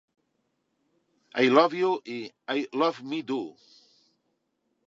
I Love You" i "Love Me Do".